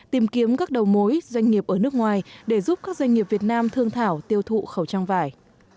tìm kiếm các đầu mối doanh nghiệp ở nước ngoài để giúp các doanh nghiệp việt nam thương thảo tiêu thụ khẩu trang vải